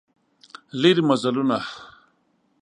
لیري مزلونه